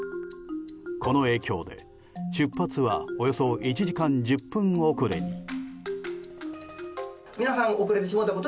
この影響で出発はおよそ１時間１０分遅れに。